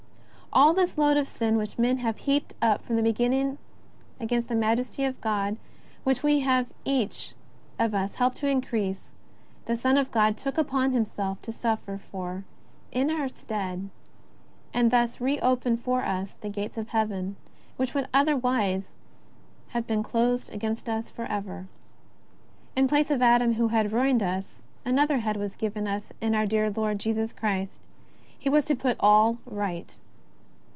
All this load of sin which men have heaped up from the beginning against the Majesty of God, which we have each of us helped to increase, the Son of God took upon Himself, to suffer for in our st ead, and thus re open for us the gates of Heaven, which other^'ise would have been closed against us forever. In place of Adam who had ruined us, another Head was given us in our dear Lord Jesus Christ. He was to put all right.